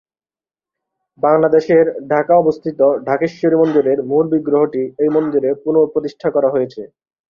বাংলাদেশের ঢাকা অবস্থিত ঢাকেশ্বরী মন্দিরের মূল বিগ্রহটি এই মন্দিরে পুন:প্রতিষ্ঠা করা হয়েছে।